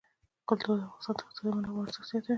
کلتور د افغانستان د اقتصادي منابعو ارزښت زیاتوي.